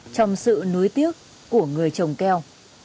trong sự núi tiếc của người trồng keo